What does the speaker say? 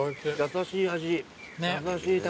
優しい卵。